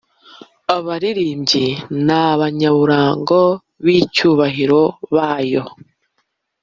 abaririmbyi n’abanymaurango b’icyubahiro bayo